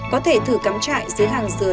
có thể thử cắm trại dưới hàng dừa